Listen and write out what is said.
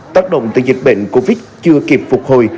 tác động từ dịch bệnh covid chưa kịp phục hồi